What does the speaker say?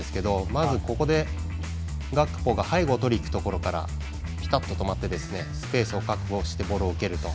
まず、ガクポが背後をとりにいくところからぴたっと止まってスペースを確保してボールを受けると。